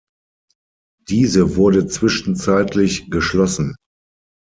Diese wurde zwischenzeitlich geschlossen.